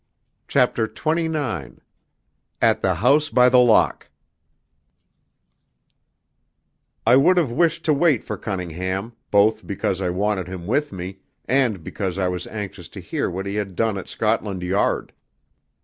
CHAPTER XXIX At the House by the Lock I would have wished to wait for Cunningham, both because I wanted him with me, and because I was anxious to hear what he had done at Scotland Yard.